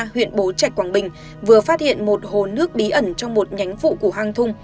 huyện bố trạch quảng bình vừa phát hiện một hồ nước bí ẩn trong một nhánh vụ của hang thung